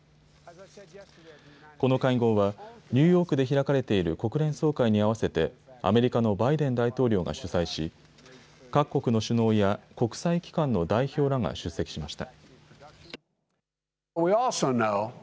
この会合はニューヨークで開かれている国連総会に合わせてアメリカのバイデン大統領が主催し、各国の首脳や国際機関の代表らが出席しました。